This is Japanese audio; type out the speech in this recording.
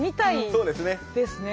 そうですね。